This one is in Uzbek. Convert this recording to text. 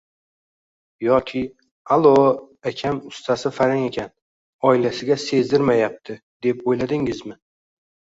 Yoki A`lo akam ustasi farang ekan, oilasiga sezdirmayapti, deb o`yladingizmi